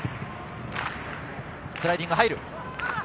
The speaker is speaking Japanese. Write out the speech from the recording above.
スライディング入る。